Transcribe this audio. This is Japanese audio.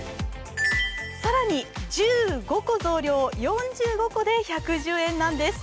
更に１５個増量、４５個で１１０円なんです。